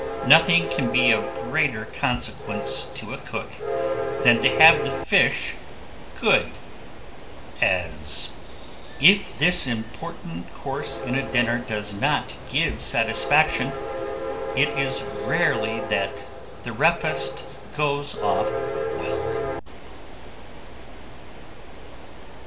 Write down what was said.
Nothing can be of greater consequence to a cook than to have the fish good; as if this important course in a dinner does not give satisfaction, it is rarely that the repast goes off well.